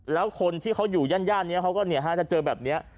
แล้วคนที่เขาอยู่ย่านนี้เขาก็จะเจอแบบนี้